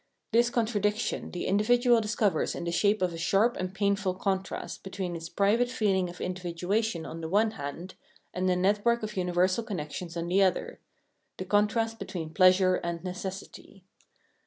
This contradiction the individual discovers in the shape of a sharp and painful contrast between its private feeling of individuation on the one hand and a network of uni^'ersal connections on the other — the contrast between " pleasure " and "necessity."